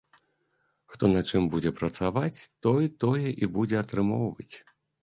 Хто на чым будзе працаваць, той тое і будзе атрымоўваць.